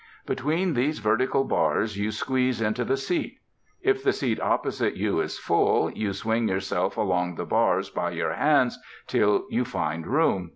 Between these vertical bars you squeeze into the seat. If the seat opposite you is full, you swing yourself along the bars by your hands till you find room.